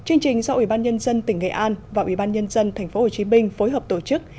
ủy ban nhân dân tỉnh nghệ an và ủy ban nhân dân tp hcm phối hợp tổ chức